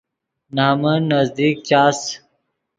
نمن نزدیک چاس